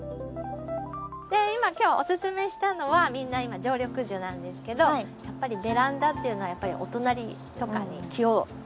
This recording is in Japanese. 今日おすすめしたのはみんな常緑樹なんですけどやっぱりベランダっていうのはお隣とかに気をちょっと遣いますよね。